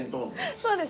そうです。